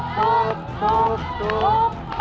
ทุบ